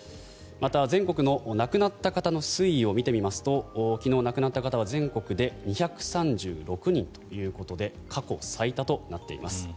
また、全国の亡くなった方の推移を見てみますと昨日、亡くなった方は全国で２３６人ということで過去最多となっています。